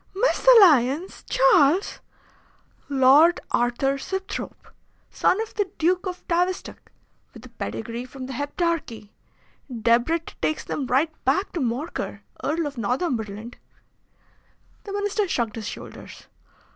"Mesalliance, Charles! Lord Arthur Sibthorpe, son of the Duke of Tavistock, with a pedigree from the Heptarchy. Debrett takes them right back to Morcar, Earl of Northumberland." The Minister shrugged his shoulders.